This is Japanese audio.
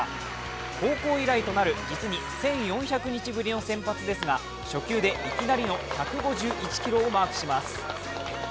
高校以来となる実に１４００日ぶりの先発ですが初球でいきなりの１５１キロをマークします。